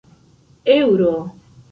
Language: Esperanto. eŭro